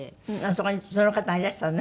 そこにその方がいらしたのね